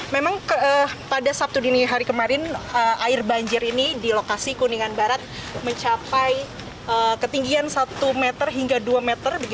memang pada sabtu dini hari kemarin air banjir ini di lokasi kuningan barat mencapai ketinggian satu meter hingga dua meter